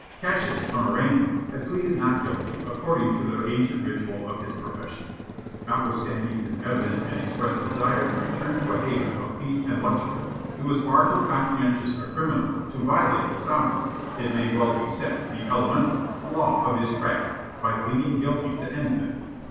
Cassius, on arraignment, had pleaded not guilty, according to the ancient ritual of his profession. Notwithstanding his evident and expressed desire to return to a haven of peace and luxury, he was far too conscientious a criminal to violate the soundest it may well be said, the elemental law of his craft, by pleading guilty to anything.